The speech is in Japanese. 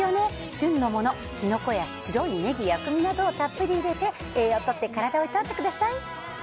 旬のもの、きのこや白いねぎ、薬味などをたっぷり入れて、栄養とって体をいたわってください。